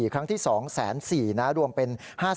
ครั้งที่๒๑๔๐๐๐๐รวมเป็น๕๘๐๐๐๐